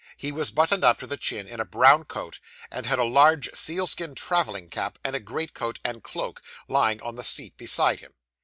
He was buttoned up to the chin in a brown coat; and had a large sealskin travelling cap, and a greatcoat and cloak, lying on the seat beside him.